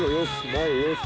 前よし。